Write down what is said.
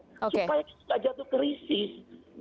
supaya tidak jatuh ke risis